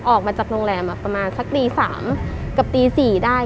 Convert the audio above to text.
ออกมาจากโรงแรมประมาณสักตี๓กับตี๔ได้